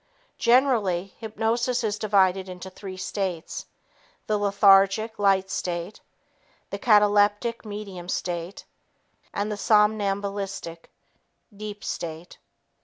Generally, hypnosis is divided into three states: the lethargic (light state); the cataleptic (medium state); and the somnambulistic (deep state).